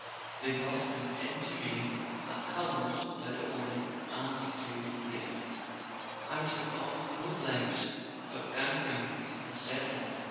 They brought him in to me at Chalons without a warning —and too late. I took off both legs, but gangrene had set in.